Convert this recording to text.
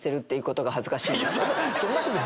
そんなことない。